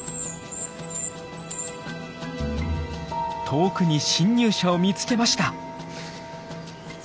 遠くに侵入者を見つけました。